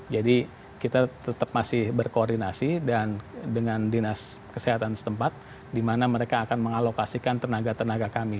jadi kita tetap masih berkoordinasi dan dengan dinas kesehatan setempat di mana mereka akan mengalokasikan tenaga tenaga kami